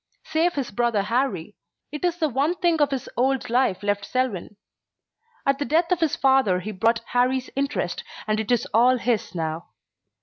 Save his brother Harrie, it is the one thing of his old life left Selwyn. At the death of his father he bought Harrie's interest and it is all his now.